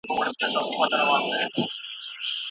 سالم ذهن آرامتیا نه کموي.